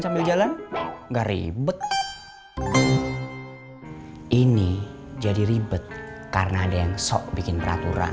sambil jalan enggak ribet ini jadi ribet karena ada yang sok bikin peraturan